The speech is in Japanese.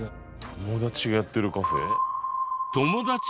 友だちがやってるカフェ。